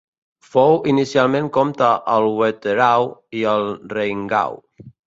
Fou inicialment comte al Wetterau i al Rheingau.